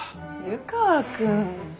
湯川君。